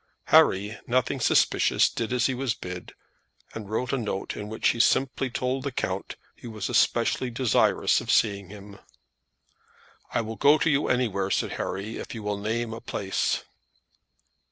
Harry, nothing suspicious, did as he was bid, and wrote a note in which he simply told the count that he was specially desirous of seeing him. "I will go to you anywhere," said Harry, "if you will name a place."